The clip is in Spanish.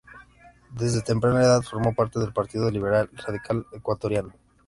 Desde temprana edad formó parte del Partido Liberal Radical Ecuatoriano.